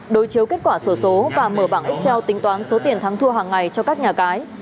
đối chiếu kết quả sổ số và mở bảng excel tính toán số tiền thắng thua hàng ngày cho các nhà cái